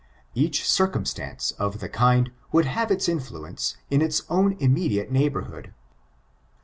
Each circumstance of the kind would have its influence in its own immediate neighbor hood.